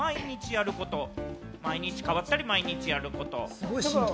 毎日変わったり、毎日やること。